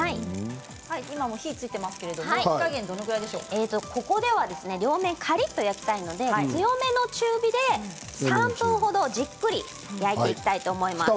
今も火がついていますけれどもここでは両面カリッと焼きたいので強めの中火で、３分程じっくり焼いていきたいと思います。